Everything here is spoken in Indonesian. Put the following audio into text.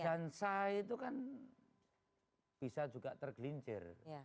dansa itu kan bisa juga tergelincir